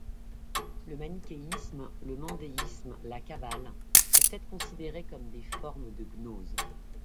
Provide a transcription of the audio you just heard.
Le manichéisme, le mandéisme, la kabbale peuvent être considérés comme des formes de gnose.